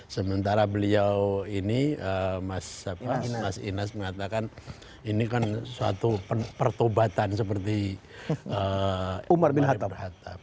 sementara beliau ini mas inas mengatakan ini kan suatu pertobatan seperti umar bin harhat